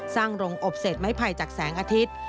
สร้างโรงอบเศษไม้ไผ่จากแสงอาทิตย์